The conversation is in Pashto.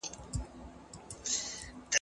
موږ باید د خپلو بزګرانو درناوی وکړو.